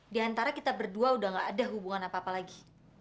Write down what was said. di antara kita berdua udah gak ada hubungan apa apa lagi